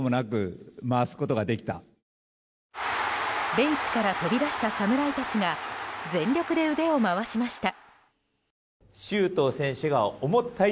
ベンチから飛び出した侍たちが全力で腕を回しました。